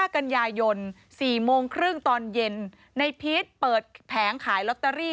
กันยายน๔โมงครึ่งตอนเย็นในพีชเปิดแผงขายลอตเตอรี่